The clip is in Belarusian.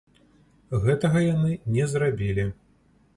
Гэтага яны не зрабілі.